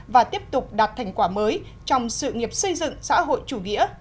và tiếp tục đạt thành quả mới trong sự nghiệp xây dựng xã hội chủ nghĩa